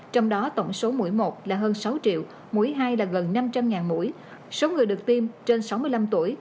trong đó tổng số mũi một là hơn sáu triệu mũi hai là gần năm trăm linh mũi số người được tiêm trên sáu mươi năm tuổi